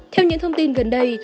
theo những thông tin gần đây